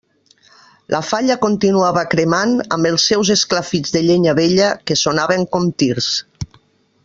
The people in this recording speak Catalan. La falla continuava cremant, amb els seus esclafits de llenya vella que sonaven com tirs.